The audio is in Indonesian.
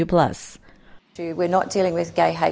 kami tidak mengadakan kebohongan gay di sini